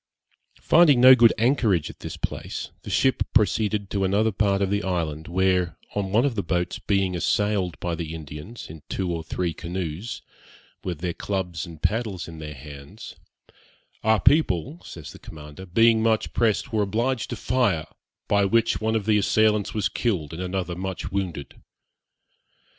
Finding no good anchorage at this place, the ship proceeded to another part of the island, where, on one of the boats being assailed by the Indians in two or three canoes, with their clubs and paddles in their hands, 'Our people,' says the commander, 'being much pressed, were obliged to fire, by which one of the assailants was killed, and another much wounded.'